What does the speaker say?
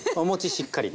しっかりと。